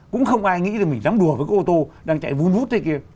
cũng không ai nghĩ mình nắm đùa với cái ô tô đang chạy vun vút thế kia